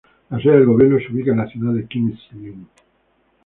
La sede del gobierno se ubica en la ciudad de King's Lynn.